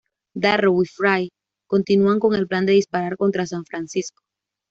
Darrow y Frye continúan con el plan de disparar contra San Francisco.